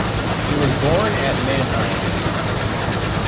He was born at Mannheim.